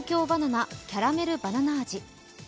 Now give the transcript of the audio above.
奈キャラメルバナナ味